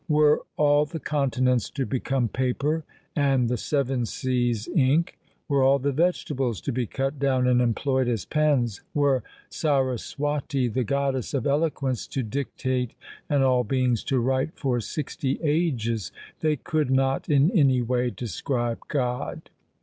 Were all the continents to become paper and the seven seas ink ; were all the vegetables to be cut down and employed as pens ; were Saraswati, the goddess of eloquence, to dictate and all beings to write for sixty ages, they could not in any way describe God.